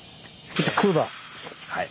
はい。